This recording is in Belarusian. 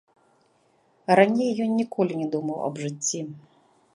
Раней ён ніколі не думаў аб жыцці.